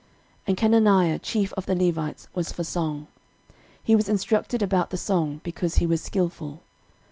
13:015:022 And Chenaniah, chief of the Levites, was for song: he instructed about the song, because he was skilful.